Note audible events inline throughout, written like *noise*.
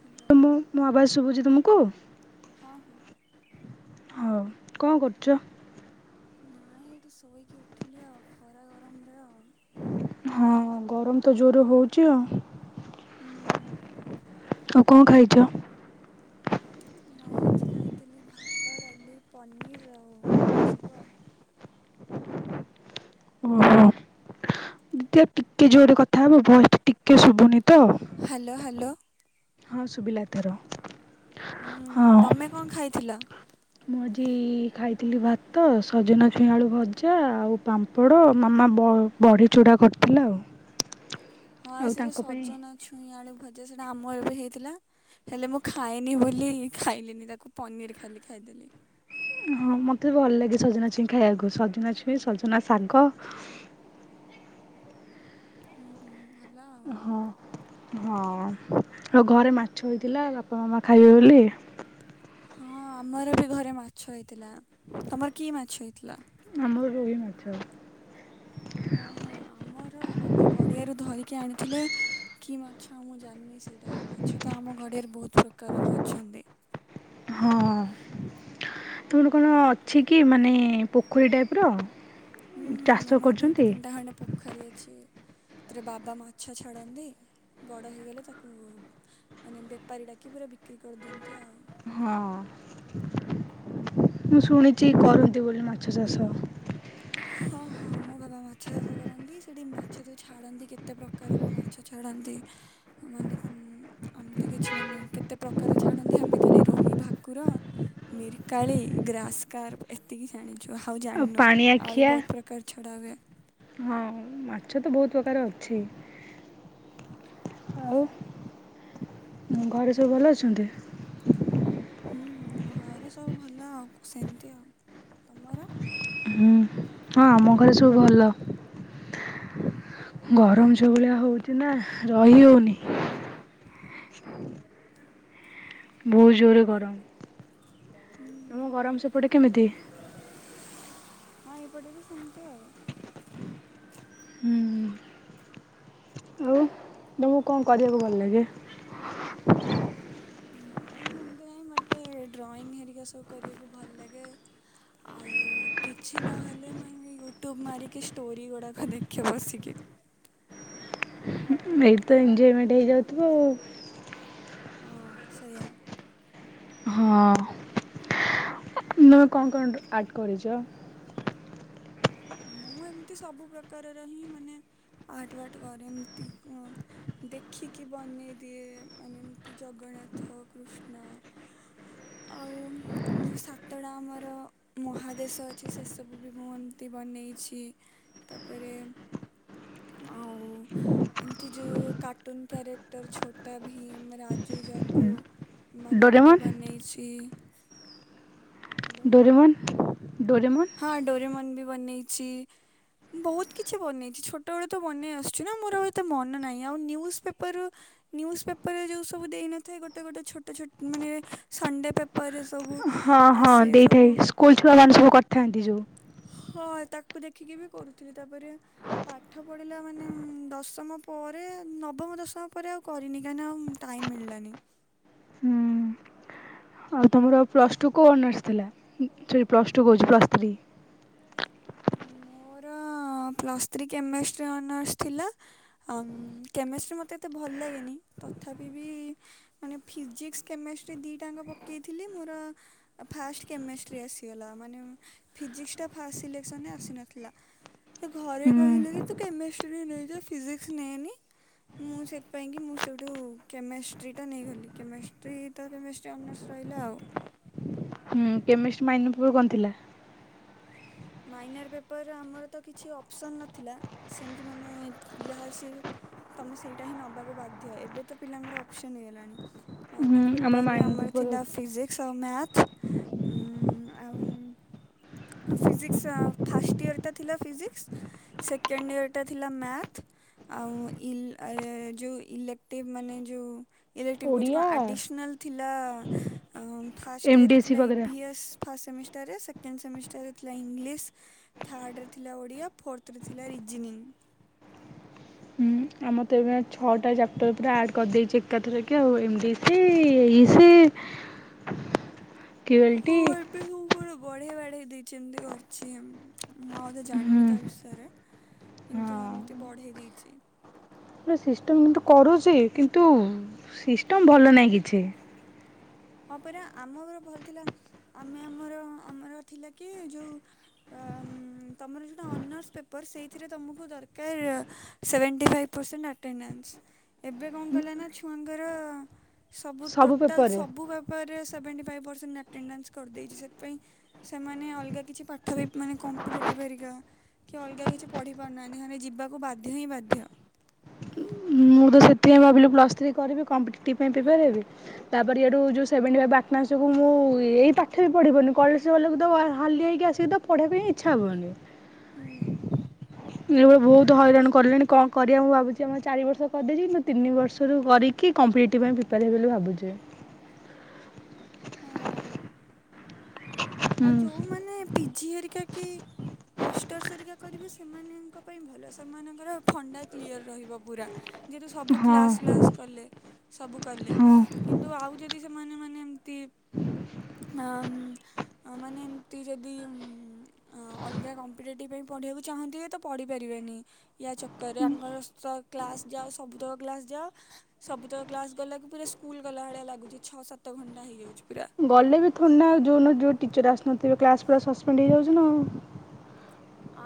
ହେଲା *unintelligible* ମୋ ଆବାଶ ଶୁଭୁଛି ତୁମକୁ ହଁ ହଁ ହଉ କଣ କରୁଛ? ନାଇଁ ଏଇଠି ଶୋଇକି ଉଠିଲି ଆଉ ଖରା ଗରମରେ ଆଉ ହଁ ଗରମ ତ ଜୋର ହଉଚ ଆଉ ହୁଁ ଆଉ କଣ ଖାଇଚ? ନାଇଁ ଆଜି ଖାଇଥିଲି ଭାତ ଡାଲି ପନିର ଆଉ ଏଇସବୁ ଆଉ ଓହୋ ଦିଦି ଆଉ ଟିକେ ଜୋରରେ କଥାହବ ଭଏଶ ଟା ଟିକେ ଶୁଭୁନି ତ ହ୍ୟାଲୋ ହ୍ୟାଲୋ ହଁ ଶୁଭିଲା ଏ ଥର ହୁଁ ତମେ କଣ ଖାଇଥିଲ? ମୁଁ ଆଜି ଖାଇଥିଲି ଭାତ ସଜନା ଛୁଇଁଆଳୁ ଭଜା ଆଉ ପାମ୍ପଡ଼ ମାମା ବ ବଢ଼ି ଚୂଡ଼ା କରିଥିଲା ଆଉ ହଁ ଆଉ ସେ ଯୋଉ ତାଙ୍କ ପାଇଁ ସଜନା ଛୁଇଁ ଆଳୁ ଭଜା ସେଇଟା ଆମର ଏବେ ହେଇଥିଲା ହେଲେ ମୁଁ ଖାଏନି ବୋଲି ଖାଇଲିନି ତାକୁ ପନିର ଖାଲି ଖାଇଦେଲି ହଁ ମତେ ବି ଭଲ ଲାଗେ ସଜନା ଛୁଇଁ ଖାଇବାକୁ ସଜନା ଛୁଇଁ ସଜନା ଶାଗ ଉୁଁ ହୁଁ ଭଲ ଆଉ। ହଁ ହଁ ଆଉ ଘରେ ମାଛ ହେଇଥିଲା ବାପା ମାମା ଖାଇବେ ବୋଲି ହଁ ଆମର ବି ଘରେ ମାଛ ହେଇଥିଲା ତମର କି ମାଛ ହେଇଥିଲା? ଆମର ରୋହି ମାଛ ଓହଁ ଆମର ବାବା ଗଡିଆରୁ ଧରିକି ଆଣିଥିଲେ କି ମାଛ ମୁଁ ଜାଣିନି ସେଇଟା ମାଛ ତ ଆମ ଗଡିଆରେ ବହୁତ ପ୍ରକାରର ଅଛନ୍ତି ହଁ ତୁମର କଣ ଅଛି କି ମାନେ ପୋଖରୀ ଟାଇପ ର ହୁଁ ହୁଁ ଚାଷ ଆମର ଦିଇଟା କରୁଛନ୍ତି? ତିନିଟା ଖଣ୍ଡେ ପୋଖରୀ ଅଛି ଥିରେ ବାବା ମାଛ ଛାଡ଼ନ୍ତି ବଡ଼ ହେଇଗଲେ ତାକୁ ମାନେ ବେପାରୀ ଡାକି ପୁରା ବିକ୍ରି କରିଦିଅନ୍ତି ଆଉ ହଁ ମୁଁ ଶୁଣିଛି କରନ୍ତି ବୋଲି ମାଛ ଚାଷ ହ *unintelligible* ହଁ ହଁ ମୋ ବାପା ମାଛ ଚାଷ କରନ୍ତି ସେଇଠି ମାଛ ଯେଉଁ ଛାଡ଼ନ୍ତି କେତେ ପ୍ରକାରର ମାଛ ଛାଡ଼ନ୍ତି ମାନେ ଉଁ ଆମେ ତ କିଛି ମାନେ କେତେ ପ୍ରକାର ଛାଡ଼ନ୍ତି ଆମେ ଖାଲି ରୋହି ଭାକୁର ମିର କାଳି ଗ୍ରାସ୍ କାର୍ ଏତିକି ଜାଣିଛୁ ଆଉ ଜାଣିନୁ ଆହୁରି ବହୁତ ପ୍ରକାର ଛଡା ହୁଏ ହଁ ମାଛ ତ ବହୁତ ପ୍ରକାର ଅଛି ଆଉ ଘରେ ସବୁ ଭଲ ଅଛନ୍ତି? ହୁଁ ହୁଁ ଘରେ ସବୁ ଭଲ ଆଉ ସେମତି ଆଉ ତମର ହୁଁ ହଁ ଆମ ଘରେ ସବୁ ଭଲ ଗରମ ଯୋଉ ଭଳିଆ ହଉଛି ନା ରହି ହଉନି ଭହୁ ଜୋରେ ଗରମ ହୁଁ ତମ ଗରମ ସେପଟେ କେମିତି? ହଁ ଏପଟେ ବି ସେମିତି ଆଉ। ହୁଁ। ଆଉ ତମକୁ କଣ କରିବାକୁ ଭଲ ଲାଗେ *unintelligible* ଦେଂ ମୋତେ ଡ୍ରଇଂ ହେରିକା ସବୁ କରିବାକୁ ଭଲ ଲାଗେ। ଆଉ କିଛି ନହେଲେ ମୁଁ ଏମିତି ୟୁଟ୍ୟୁବ୍ ମାରିକି ଷ୍ଟୋରି ଗୁଡ଼ାକ ଦେଖେ ବସିକି। ଏଇଠି ତ ଏଜୟମେଣ୍ଟ ହେଇଯାଉଥୁବ ଆଉ। ହଁ ସେଇଆ। ହଁ *unintelligible* କଣ କଣ ଗୋଟେ ଆର୍ଟ କରିଚ? ମୁଁ ଏମିତି ସବୁ ପ୍ରକାରର ହିଁ ମାନେ ଆଟ ୱାର୍ଟ କରେ ଏମତି କଁ ଦେଖିକି ବନେଇ ଦିଏ ମାନେ ଏମିତି ଜଗନ୍ନାଥ କୃଷ୍ଣ। ଆଉ ଯଉ ସାତଟା ଆମର ମହାଦେଶ ଅଛି ସେସବୁ ବି ମୁଁ ଏମିତି ବନେଇଛି ତାପରେ ଆଉ ଏମିତି ଯଉ କାର୍ଟୁନ୍ କ୍ୟାରେକ୍ଟର ଛୋଟା ଭୀମ ରାଜୁ ଜଗୁ। ମାନଙ୍କୁ ବି ଡୋରେମନ୍ ବନେଇଛି। Hello Doraemon Doraemon. ହଁ ଡୋରେମନ ବି ବନେଇଚି। ମୁଁ ବହୁତ କିଛି ବନେଇଛି ଛୋଟବେଳୁ ତ ବନେଇ ଆସୁଚି ନା ମୋର ଆଉ ଏତେ ମନ ନାହିଁ ଆଉ ନ୍ୟୁଜ୍ ପେପର- ନ୍ୟୁଜ୍ ପେପରରେ ଯଉ ସବୁ ଦେଇନଥାଏ ଗୋଟେ ଗୋଟେ ଛୋଟ ଛୋ ମାନେ ସଣ୍ଡେ ପେପରରେ ସବୁ ଆସେ ସବୁ। କୋଲ୍ ଛୁଆ ମାନ ସବୁ କରିଥାନ୍ତି ଯଉ। ହଁ ତାକୁ ଦେଖିକି ବି କରୁଥିଲି ତାପରେ ପାଠ ପଢ଼ିଲା ମାନେ ଉଂ ଦଶମ ପରେ ନବମ ଦଶମ ପରେ ଆଉ କରିନି କାହିଁନା ଟାଇମ୍ ମିଳିଲାନି। ହୁଁ ଆଉ ତୁମର ପ୍ଲସ୍ ଟୁ କଉ ଅନର୍ସ ଥିଲା *unintelligible* ପ୍ଲସ୍ ଟୁ କହୁଛି ପ୍ଲସ୍ ଥ୍ରୀ? ମୋର ପ୍ଲସ୍ ଥ୍ରୀ କେମେଷ୍ଟ୍ରି ଅନର୍ସ ଥିଲା। ଆମ୍ କେମେଷ୍ଟ୍ରି ମତେ ଏତେ ଭଲ ଲାଗେନି ତଥାପି ବି ମାନେ ଫିଜିକ୍ସ କେମେଷ୍ଟ୍ରି ଦିଟାଙ୍କ ପକେଇଥିଲି ମୋର ଫାଷ୍ଟ କେମେଷ୍ଟ୍ରି ଆସିଗଲା ମାନେ ଫିଜିକ୍ସଟା ଫାଷ୍ଟ ସିଲେକ୍ସନେ ଆସିନଥିଲା। ସେ ଘରେ କହିଲେ କି ହୁଁ ତୁ କେମିଷ୍ଟ୍ରି ନେଇଯା ଫିଜିକ୍ସ ନେଏନି। ମୁଁ ସେଥିପାଇଁ କିି ମୁଁ ସେଇଠୁ କେମେଷ୍ଟ୍ରି ଟା ନେଇଗଲି କେମେଷ୍ଟ୍ରି ତ କେମିଷ୍ଟ୍ରି ଅନର୍ସ ରହିଲା ଆଉ। ହଁ କେମିଷ୍ଟ ମାଇନପୁର କଣ ଥିଲା? ମାଇନର୍ ପେପର ଆମର ତ କିଛି ଅପସନ୍ ନଥିଲା ସେମିତି ମାନେ ଯାହା ସି ତମେ ସେଇଟା ହିଁ ନବାକୁ ବାଧ୍ୟ ଏବେ ତ ପିଲାଙ୍କର ଅପସନ ହେଇଗଲାଣି। ହୁଁ ମାଇନର୍ ପେପରରେ ମାଇନର ଆମର ପେପର ଥିଲା ଫିଜିକ୍। ଶୋ ମ୍ୟାଥ ଓଁ ଆଉ ଫିଜିକିସ୍ସ *unintelligible* ଫାଷ୍ଟ ଇୟରଟା ଥିଲା ଫିଜିକ୍ସ ସେକେଣ୍ଡ ଇୟରଟା ଥିଲା ମ୍ୟାଥ୍। ଆଉ ଇଲ ଆ ଯଉ ଇଲେକ୍ଟିଭ ମାନେ ଯଉ ଇଲେକ୍ଟିଭ୍ କହୁଛି କଣ ଓଡ଼ିଆ ଆଡ଼ିସନାଲ୍ ଥିଲା ଅ ଫାଷ୍ଟ ଏମ୍ ଡି ଇୟରରେ ସି ଥିଲା ବଗେରା। ଇଭି ଏସ୍ ଫାର୍ଷ୍ଟ ସେମିଷ୍ଟାରରେ ସେକଣ୍ଡ ସେମିଷ୍ଟାରରେ ଥିଲା ଇଂଲିଶ ଥାର୍ଡ଼ରେ ଥିଲା ଓଡ଼ିଆ ଫୋରଥ ରେ ଥିଲା ରିଜନିଂଙ୍ଗ୍। ହୁଁ ଆମର ତ ଏବେ ଛଅଟା ଚାପ୍ଟର ପୁରା ଆଡ୍ କରିଦେଇଚି ଏକାଥରେ କି ଆଉ *unintelligible* ଇସି କେ ବାଲଟି ଏ ସବୁ କ ବଢେଇ ବଢେଇ ଦେଇଛି ଏମତି କରିଛି *unintelligible* ମୁଁ ଆଉ ତ ଜାଣିନି ତା ହୁଁ। ବିଷୟରେ କିନ୍ତୁ ହଁ ଏମିତି ବଢ଼େଇ ଦେଇଛି ସିଷ୍ଟମ୍ କିନ୍ତୁ କରୁଛି କିନ୍ତୁ ସିଷ୍ଟମ୍ ଭଲ ନାହିଁ କିଛି ହଁ ପରା ଆମ ଘର ଭଲ ଥିଲା ଆମେ ଆମର ଆମର ଥିଲା କି ଯୋଉ ଅ ତମର ଯୋଉଟା ଅନର୍ସ ପେପର ସେଇଥିରେ ତମକୁ ଦରକାର ସେଭେଣ୍ଟି ଫାଇଭ୍ ପରସେଣ୍ଟ ଆଟେଣ୍ଡାନ୍ସ ଏବେ କଣ କଲା ନା ଛୁଆଙ୍କର ସବୁ ଟୋଟାଲ୍ ସବୁ ପେପରରେ ସେଭେଣ୍ଟି ଫାଇଭ୍ ପରସେଣ୍ଟ ଆଟେଣ୍ଡାନ୍ସ କରିଦେଇଛି ସେଥିପାଇଁ ସେମାନେ ଅଲଗା କିଛି ପାଠ ବି ମାନେ କମ୍ପିଟେଟିଭ୍ ହେରିକା କିଏ ଅଲଗା କିଛି ପଢ଼ି ପାରୁନାହାନ୍ତି ହେଲେ ଯିବାକୁ ବାଧ୍ୟ ହିଁ ବାଧ୍ୟ ମୁଁ ତ ସେଥିପାଇଁ ଭାବିଲି ପ୍ଲସ୍ ଥ୍ରୀ କରିବି କମ୍ପିଟିଭ ପାଇଁ ପିପାର ହେବି ତାପରେ ଇଆଡୁ ଯୋଉ ସେଭେଣ୍ଟି ଫାଇଭ ଆଟନାସ ମୁଁ ଏଇ ପାଠ ବି ପଢିବନି କଲେଜ ଗଲେକୁ ତ ହାଁ ହାଲିଆ ହେଇକି ଆସିବି ସେ ତ ପଢିବା ପାଇଁ ଇଛା ହେବନି ହୁଁ। ଇଲେବେଳ ବହୁତ ହଇରାଣ କଲେଣି କଣ କରିବା ମୁଁ ଭାବୁଛି ଆମର ଚାରି ବର୍ଷ କରିଦେଇଛି ମୁୁ ତିନି ବର୍ଷରୁ କରିିକ୍ କି କମ୍ପ୍ଲିଟିଟି ପାଇଁ ଫିପାରିବ ବୋଲି ଭାବୁଛି ହଁ। ହୁଁ ଆଉ ଯୋଉମାନେ ପିଜି ହେରିକା କି ମାଷ୍ଟର୍ ସରିକା କରିବି ସେମାନଙ୍କ ପାଇଁ ଭଲ ସେମାନଙ୍କର ଫଣ୍ଡା କ୍ଲିଅର ରହିବ ପୁରା ଯେହେତୁ ସବୁ କ୍ଲାସ୍ ହଁ ଫ୍ଲାସ୍ କଲେ ସବୁ କଲେ ହଁ। କିନ୍ତୁ ଆଉ ଯଦି ସେମାନେ ମାନେ ଏମତି ଅଁ ଅ ମାନେ ତୁ ଯଦି ଅଲଗା କମ୍ପିଟେଟିଭ୍ ପାଇଁ ପଢ଼ିବାକୁ ଚାହୁଁଥିବେ ତ ପଢ଼ିପାରିବେନି ୟା ଚକର ରେ ଆମର କ୍ଲାସ୍ ଯାଅ ସବୁ ତକ କ୍ଲାସ୍ ଯାଅ ସବୁତକ କ୍ଲାସ୍ ଗଲାକୁ ପୁରା ସ୍କୁଲ ଗଲା ଭଳିଆ ଲାଗୁଛି ଛଅ ସାତ ଘଣ୍ଟା ହେଇଯାଉଛି ପୁରା ଗଲେ ବି ଥଣ୍ଡା ଆଉଁ ଯେଉଁ ଟିଚର୍ ଆସୁନଥିବେ କ୍ଲାସ୍ ପୁରା ସସ୍ପେଣ୍ଡ ହେଇଯାଉଛି ନାଁ ଆଉ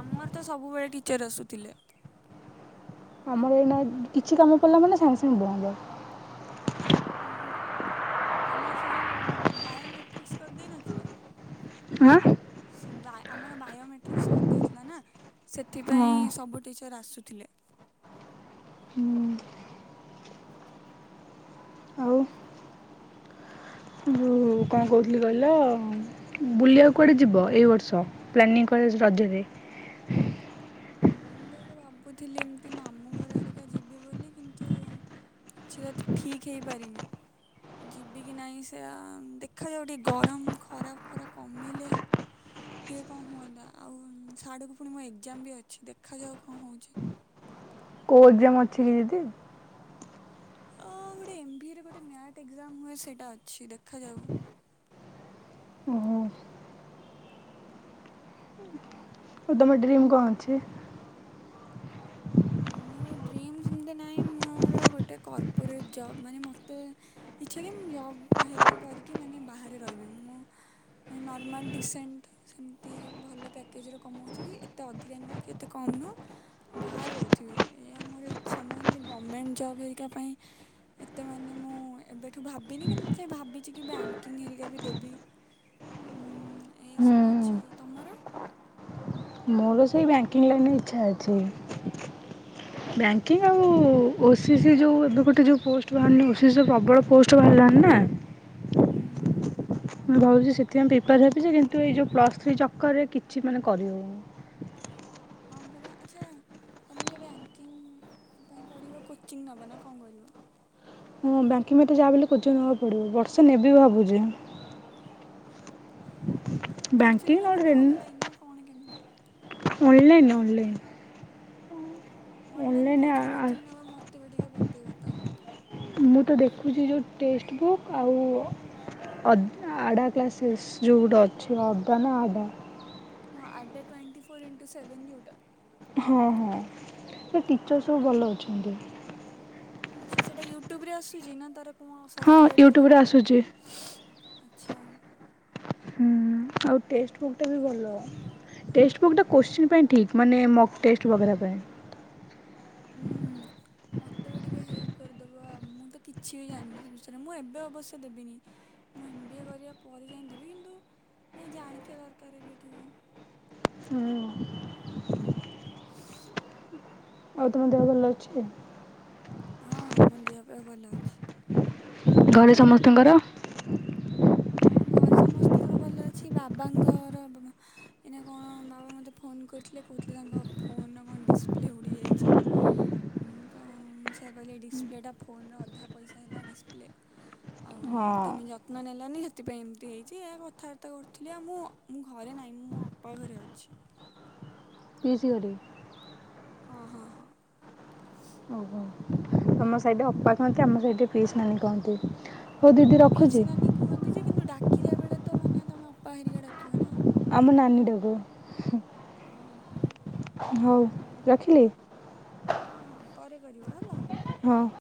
ଆମର ତ ସବୁବେଳେ ଟିଚର୍ ଆସୁଥିଲେ। ଆମର ଏଇନା କିଛି କାମ ପଡ଼ିଲା ମାନେ ସାଙ୍ଗେ ସାଙ୍ଗେ ବନ୍ଦ ଓହୁ ଆମର ସେ ଯେଉଁ ବାୟୋମେଟ୍ରିକ୍ସ କରିଦେଇ ନ ଥିଲା ଆଁ ସେ ବା ଆମର ବାୟୋମେଟ୍ରିକ୍ସ କରିଦେଇଥିଲା ନାଁ ସେଥିପାଇଁ ହଁ ସବୁ ଟିଚର୍ ଆସୁଥିଲେ ହୁଁ। ଆଉ ମୁଁ କଣ କହୁଥିଲି କହିଲ ବୁଲିବାକୁ କୁଆଡ଼େ ଯିବ ଏଇ ବର୍ଷ ପ୍ଲାନିଂ କୁଆଡେ ହେଇଚି ରଜରେ? ବୁଲି ବାକୁ ଭାବୁଥିଲି ଏମତି ମାମୁଁ ଘର ଘରିକା ଯିବି ବୋଲି କିନ୍ତୁ ସେଟା ତ ଠିକ୍ ହେଇପାରିନି ଯିବ କିି ନାହିଁ ସେୟା ଦେଖାଯାଉ ଟିକେ ଗରମ ଖରାପ ଫରା କମିଲେ ଟିକଏ କଣ ହୁଅନ୍ତା ଆଉ ସାଡ଼କୁ ପୁଣି ମୋ ଏକ୍ଜାମ ବି ଅଛି ଦେଖାଯାଉ କଣ ହଉଛି କୋଉ ଏକଜାମ୍ ଅଛି କି ଦିଦି? ଅଁ ଗୋଟେ ଏମଭିରେ ଗୋଟୋ *inaudible* ଏକଜାମ୍ ହୁଏ ସେଇଟା ଅଛି ଦେଖାଯାଉ ଓହୋ ଆଉ ତମ ଡ୍ରିମ୍ କଣ ଅଛି? ମୋର ଡ୍ରିମ୍ ସେମତି ନାହିଁ ମୋର ଗୋଟେ କର୍ପୋରେଟ୍ ଜବ୍ ମାନେ ମୋତେ ଇଚ୍ଛା କି ମୁଁ ଜବ୍ ହେରିକା କରିକି ମାନେ ବାହାରେ ରହିବି ମୁଁ ଆମେ ନର୍ମଲ ଡିସେଣ୍ଟ ସେମତି ଭଲ ପ୍ୟାକେଜରେ କମାଉଥିବି ଏତେ ଅଧିକା ନୁହଁ କି ଏତେ କମ ନୁହଁ ବାହାରେ ରହୁଥିବି ଏହା ମୋର ଇଚ୍ଛା ମୁଁ ଏମିତି ଗଭର୍ଣମେଣ୍ଟ ଜବ୍ ହେରିକ ପାଇଁ ଏତେ ମାନେ ମୁଁ ଏବେଠୁ ଭାବିନି କି ମୋତେ ଭାବିଛି କି ବ୍ୟାଙ୍କିଙ୍ଗ୍ ହେରିକା ବି ଦେବି। ଉଁ ହୁଁ ଏସବୁ ଇଚ୍ଛା ତମର, ମୋର ସେଇ ବ୍ୟାଙ୍କିଙ୍ଗ ଲାଇନ ଇଚ୍ଛା ଅଛି। ବ୍ୟାଙ୍କିଙ୍ଗ ଆଉ ଓ ସି ସି ଯେଉଁ, ଏବେ ଗୋଟେ ଯେଉଁ ପୋଷ୍ଟ ବାହାରିଲି ଓ ସି ସି ପ୍ରବଳ ପୋଷ୍ଟ ବାହାରିଲାାନି ନା। ହୁଁ, ମୁଁ ଭାବଛି ସେଥିପାଇଁ ପ୍ରିପାର ହେବିଜେ କିନ୍ତୁ ଏଇ ଯୋଉ ପ୍ଲସ୍ ଥ୍ରୀ ଚକରେ କିଛି ମାନେ କରିହଉନି। ହଁ ପରା ଆଛା। ତୁମେ ଯେଉ ବ୍ୟାଙ୍କିଙ୍ଗ ପାଇଁ ପଢ଼ିବ କୋଚିଂ ନବ ନା କଣ କରିବ। ହଁ ବ୍ୟାଙ୍କି ମତେ ଯାହା ବୋଲି କୋଚିଂ ନେବାକୁ ପଡିବ। ବର୍ଷେ ନେବି ଭାବୁଛି, କୋଚିଂ ବ୍ୟାଙ୍କିଙ୍ଗ ନେବ ନା ନହେଲେ ଅନଲାଇନ ନା କଣ କେମିତି? ଅନଲାଇନ୍ ଅନଲାଇନ୍, ଅନଲାଇନ୍ କଉଁଥିରୁ କୋଚିଂ ନେବେ ମୋତେ ବି ଟିକେ ବତେଇବ ତ। ମୁଁ ତ ଦେଖୁଛି ଯେଉଁ ଟେକ୍ସ ବୁକ୍ ଆଉ, ଅ ଆଡ଼ା କ୍ଲାସେସ୍ ଯେଉଗୋଟେ ଅଛି ଆଦା ନା ଆଡ଼ା। ହଁ ଆଦା ଟ୍ୱେଣ୍ଟି ଫୋର ଇଣ୍ଟୁ ସେଭେନ୍ଉଟା। ହଁ ହଁ ଏ ଟିଚର୍ ସବୁ ଭଲ ଅଛନ୍ତି। ଆଚ୍ଛା ସେଇଟାୟୁଟ୍ୟୁବରେ ଆସୁଛି ନା ତାର ହଁ ୟୁଟ୍ୟୁବ ରେ ଆସୁଛି। ଆଛା, ହୁଁ ଆଉ ଟେଷ୍ଟ ବୁକ୍ ଟା ବି ଭଲ। ଟେଷ୍ଟ ଵୁକ୍ ଟା କ୍ଯୁସିନ୍ ପାଇଁ ଠିକ୍ ମାନେ ମ ଟେଷ୍ଟ ପାଇଁ। ଉଁ ହୁଁ, ମୋତେ ବି ଟିକେ ହେଲ୍ପ କରିଦେବ, ଆଉ ମୁଁ ତ କିଛି ବି ଜାଣିନି ସେ ବିଷୟରେ ମୁଁ ଏବେ ଅବଶ୍ୟ ଦେବିନି। ମୁଁ ଏମ୍ ବି ଏ କରିବା ପରେ ଯାଇ ଦେବି। କିନ୍ତୁ ଜାଣିଥିବା ଦରକାର ଏବେଠୁ ହୁଁ, ଆଉ ତମେ ଦେହ ଭଲ ଅଛି? ହଁ ମୋ ଦେହପା ଭଲ ଅଛି। ଘରେ ସମସ୍ତଙ୍କର, ହଁ ଘରେ ସମସ୍ତଙ୍କର ଭଲ ଅଛି। ବାବାଙ୍କର, ଏଇନା କଣ ବାବା ମୋତେ ଫୋନ କରିଥିଲେ। କହୁଥିଲେ ତାଙ୍କ ଫୋନର କଣ ଡିସପ୍ଲେ ଉଡ଼ିଯାଇଛି। ତ ସେୟା କହିଲି ଡିସପ୍ଲେଟା ଫୋନରେ ଅଧା ପଇସା ହେଲା ଡିସପ୍ଲେ। ଆଉ ହଁ ତମେ ଯତ୍ନ ନେଲେ, ନାନି ସେଥିପାଇଁ ଏମିତି ହେଇଛି, ଏହା କଥାବାର୍ତ୍ତା କରୁଥିଲି ଆଉ ମୁଁ ମୋ ଘରେ ନାହିଁ ମୁଁ ମୋ ଅପା ଘରେ ଅଛି। ପିଇସି ଘରେ। ହଁ ହଁ ହଁ। ଓହୋ ତମ ସାଇଡ଼ରେ ଅପା କହନ୍ତି, ଆମ ସାଇଡ଼ରେ ପିଇସି ନାନୀ କୁହନ୍ତି। ପିଇସି ନାନୀ କୁହନ୍ତି, ଯେ କିନ୍ତୁ ଡାକିଯା ବେଳେ ତ ମାନେ ତମ ଅପା ହେରିକା ଡାକିବ ନା। ଆମେ ନାନୀ ଡାଗୁ। ହଁ ହଁ ହଉ ରଖିଲି। ହଁ ହଁ ପରେ କରିବ ହେଲା। ହଁ,